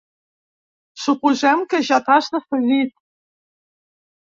Suposem que ja t'has decidit.